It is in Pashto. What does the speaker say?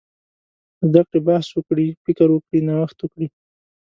زده کړي، بحث وکړي، فکر وکړي، نوښت وکړي.